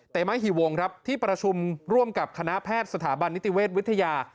มหิวงครับที่ประชุมร่วมกับคณะแพทย์สถาบันนิติเวชวิทยา